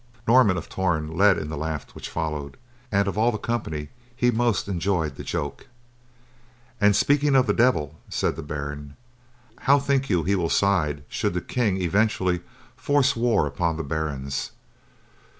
Norman of Torn led in the laugh which followed, and of all the company he most enjoyed the joke. "An' speaking of the Devil," said the Baron, "how think you he will side should the King eventually force war upon the barons?